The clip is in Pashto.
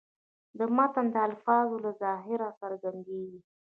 د متن د الفاظو له ظاهره څرګندېږي.